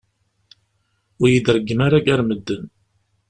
Ur yi-d-reggem ara gar medden.